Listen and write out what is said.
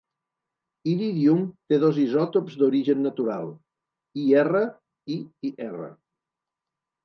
Iridium té dos Isòtops d'origen natural, IR i IR.